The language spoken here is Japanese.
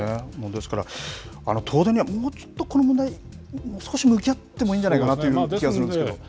ですから、東電にはもうちょっとこの問題、もう少し向き合ってもいいじゃないかなという気もするんですけど。